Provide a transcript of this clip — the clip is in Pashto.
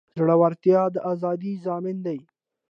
زړورتیا د ازادۍ ضامن دی.